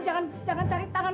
jangan jangan tarik tangan